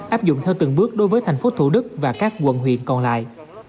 áp dụng theo từng bước đối với thành phố thủ đức và các quận huyện còn lại